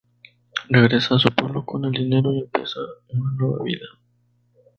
Regresa a su pueblo con el dinero y empieza una nueva vida.